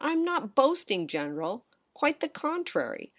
rm not boasting, General. Quite the contrary.